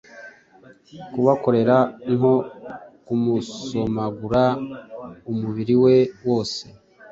kubakorera nko kumusomagura umubiriwe wose